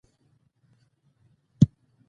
مشروطیت غورځنګ بېسارې او بې جوړې دوره وه.